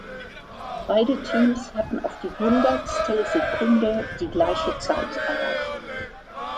Beide Teams hatten auf die Hundertstelsekunde die gleiche Zeit erreicht.